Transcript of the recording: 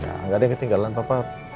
gak ada yang ketinggalan pak